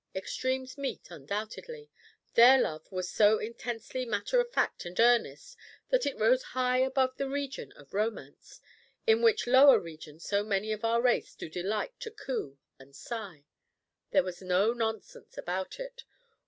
Extremes meet, undoubtedly. Their love was so intensely matter of fact and earnest that it rose high above the region of romance, in which lower region so many of our race do delight to coo and sigh. There was no nonsense about it.